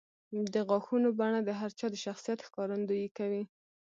د غاښونو بڼه د هر چا د شخصیت ښکارندویي کوي.